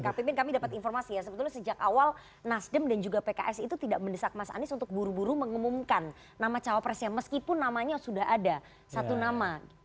kang pimpin kami dapat informasi ya sebetulnya sejak awal nasdem dan juga pks itu tidak mendesak mas anies untuk buru buru mengumumkan nama cawapresnya meskipun namanya sudah ada satu nama